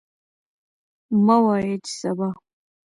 مه وایئ چې سبا.